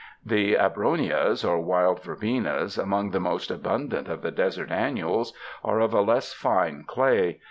The abronias or wild verbenas, among the most abundant of the desert annuals, are of a less fine clay.